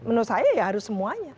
menurut saya ya harus semuanya